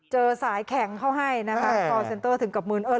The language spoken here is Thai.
เจอสายแข่งเขาให้กรอลเสนเตอร์ถึงกับมือน